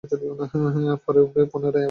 পরে উমর পুনরায় আবার সম্পর্ক ফিরিয়ে আনেন।